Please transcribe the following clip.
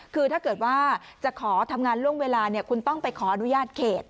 คือถ้าเกิดว่าจะขอทำงานล่วงเวลาคุณต้องไปขออนุญาตเขต